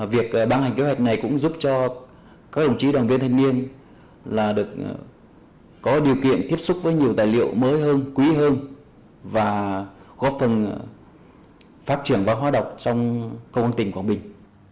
việc bán hành kế hoạch này cũng giúp cho các đồng chí đoàn viên thanh niên được có điều kiện tiếp xúc với nhiều tài liệu mới hơn quý hơn và góp phần phát triển văn hóa đọc trong công an tỉnh quảng bình